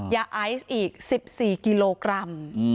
ยาไอซ์อีก๑๔กิโลกรัม